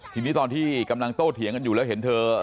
ทีนี้ตอนที่กำลังโต้เถียงกันอยู่แล้วเห็นเธอ